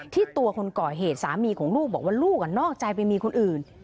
ตัวคนก่อเหตุสามีของลูกบอกว่าลูกนอกใจไปมีคนอื่น